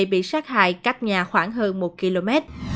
bị sát hại cách nhà khoảng hơn một km